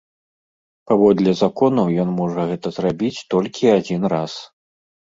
Паводле закону ён можа гэта зрабіць толькі адзін раз.